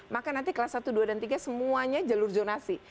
maka nanti kelas satu dua dan tiga semuanya jalur zonasi